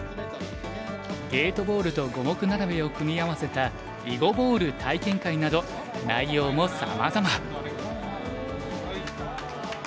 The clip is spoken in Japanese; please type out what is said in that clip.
ゲートボールと五目並べを組み合わせた囲碁ボール体験会など内容もさまざま。